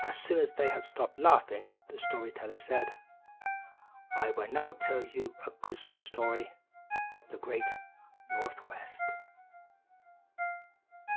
As soon as they had stopped laughing, the story teller said: "I will now tell you a Christmas story of the Great Northwest."